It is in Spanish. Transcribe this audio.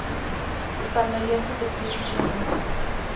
Cuando Joseph Smith Jr.